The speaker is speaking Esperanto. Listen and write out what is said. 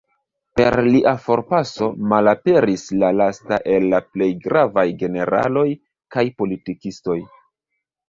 Per lia forpaso, malaperis la lasta el la plej gravaj generaloj kaj politikistoj.